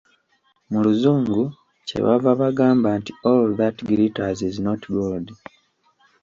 Mu luzungu kyebava bagamba nti "All that glitters is not gold".